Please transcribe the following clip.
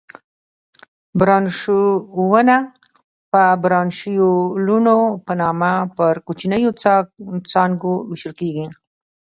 برانشونه په برانشیولونو په نامه پر کوچنیو څانګو وېشل کېږي.